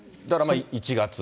だから１月。